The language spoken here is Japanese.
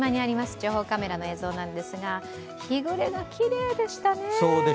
情報カメラの映像ですが、日暮れがきれいでしたね。